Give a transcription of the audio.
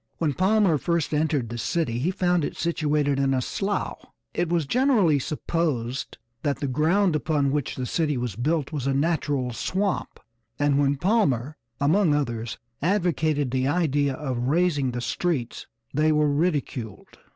When Palmer first entered the city he found it situated in a slough. It was generally supposed that the ground upon which the city was built was a natural swamp, and when Palmer, among others, advocated the idea of raising the streets they were ridiculed.